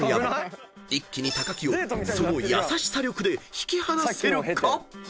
［一気に木をその優しさ力で引き離せるか］